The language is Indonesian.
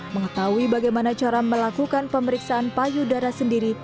mengetahui bagaimana cara melakukan pemeriksaan payudara sendiri